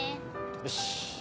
よし。